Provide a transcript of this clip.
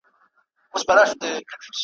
چي یې تباه کړل خپل ټبرونه `